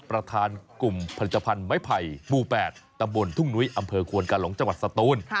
ประธานกลุ่มผลิตภัณฑ์ไม้ไผ่หมู่๘ตำบลทุ่งนุ้ยอำเภอควนกาหลงจังหวัดสตูน